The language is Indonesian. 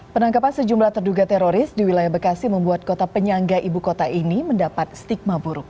penangkapan sejumlah terduga teroris di wilayah bekasi membuat kota penyangga ibu kota ini mendapat stigma buruk